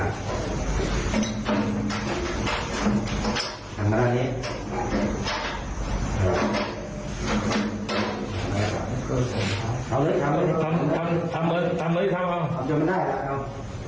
เราก็มีวิหารหรือไงผมเราก็มีใครกันครับ